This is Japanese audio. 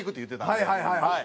はいはいはいはい。